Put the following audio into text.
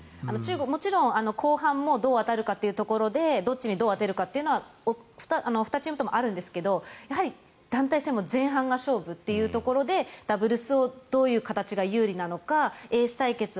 もちろん後半もどう当たるかというところでどっちにどう当てるかは２チームともあるんですがやはり団体戦は前半が勝負というところでダブルスをどういう形が有利なのかエース対決を。